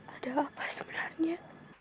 ada apa sebenarnya